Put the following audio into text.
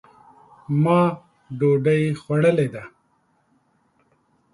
ما ډوډۍ خوړلې ده